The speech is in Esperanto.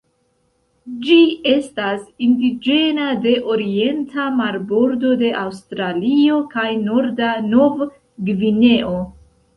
Ĝi estas indiĝena de orienta marbordo de Aŭstralio kaj norda Nov-Gvineo.